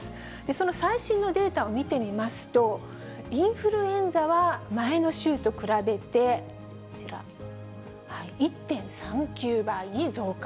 その最新のデータを見てみますと、インフルエンザは前の週と比べて、こちら、１．３９倍に増加。